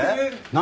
何？